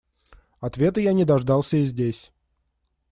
Ответа я не дождался и здесь.